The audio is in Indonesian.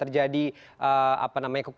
terima kasih pak